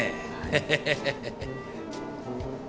ヘヘヘヘヘヘッ！